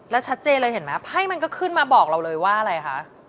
แล้วชัดเจนเลยเห็นไหมไพ่มันก็ขึ้นมาบอกเราเลยว่าอะไรคะ